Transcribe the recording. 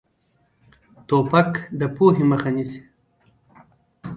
توپک د پوهې مخه نیسي.